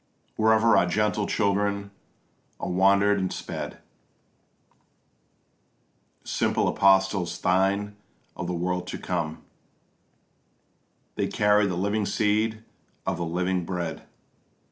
Wherever our gentle children are wander'd and sped, Simple apostles thine of the world to come, They carried the living seed of the living Bread.